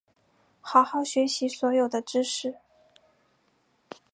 好好学习所有的知识